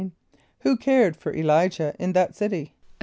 = Who cared for [+E] l[=i]´jah in that city?